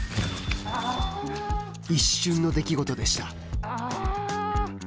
一瞬の出来事でした。